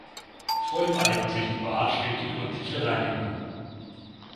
Vor dem eigentlichen Bad steht die gründliche Reinigung.